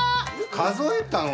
数えたん？